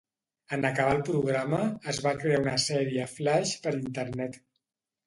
En acabar el programa, es va crear una sèrie flaix per Internet.